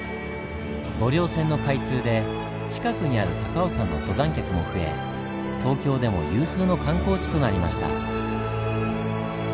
御陵線の開通で近くにある高尾山の登山客も増え東京でも有数の観光地となりました。